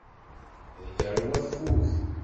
Heggaɣ i waffug.